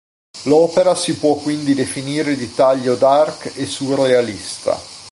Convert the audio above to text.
L’opera si può quindi definire di taglio dark e surrealista.